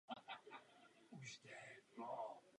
Španělsko bylo vyřazeno.